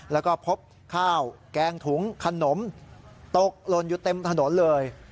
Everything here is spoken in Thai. แล้วก็พบข้าวแกงถุงขนมตกหล่นอยู่เต็มถนนเลย